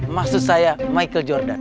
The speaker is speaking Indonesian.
maksud saya michael jordan